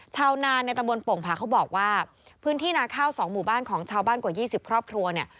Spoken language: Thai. ชาวนานในตำบลโป่งผาเขาบอกว่าพื้นที่นาข้าวสองหมู่บ้านของชาวบ้านกว่า๒๐ครอบครัวเนี่ย